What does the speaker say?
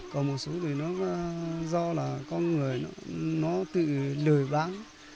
còn một số thì do là con người nó tự lời bán